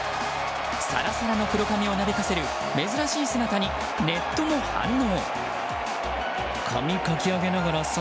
サラサラの黒髪をなびかせる珍しい姿にネットも反応。